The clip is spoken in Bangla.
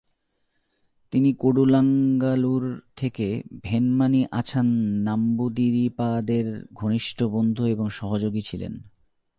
তিনি কোডুঙ্গালুর থেকে ভেনমানি আছান নাম্বুদিরিপাদের ঘনিষ্ঠ বন্ধু এবং সহযোগী ছিলেন।